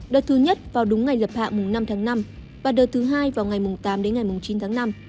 đợt thứ nhất vào đúng ngày lập hạng năm tháng năm và đợt thứ hai vào ngày tám chín tháng năm